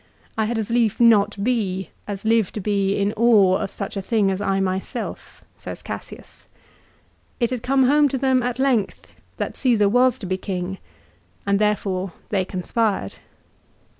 " I had as lief not be, as live to be In awe of such a thing as I my self," says Cassius. 1 It had come home to them at length that Csesar was to be king, and therefore they conspired.